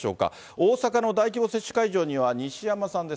大阪の大規模接種会場には西山さんです。